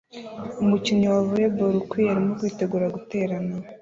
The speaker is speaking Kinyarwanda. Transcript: Umukinnyi wa volley ball ukwiye arimo kwitegura guterana